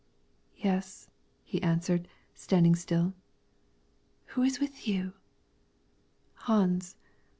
"Yes," he answered, standing still. "Who is with you?" "Hans."